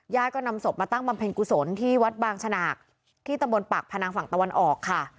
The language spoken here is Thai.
ก็นำศพมาตั้งบำเพ็ญกุศลที่วัดบางฉนากที่ตำบลปากพนังฝั่งตะวันออกค่ะ